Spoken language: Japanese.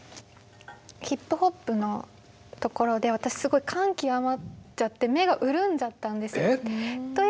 ヒップホップのところで私すごい感極まっちゃって目が潤んじゃったんです。